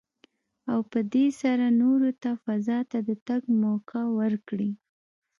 او په دې سره نورو ته فضا ته د تګ موکه ورکړي.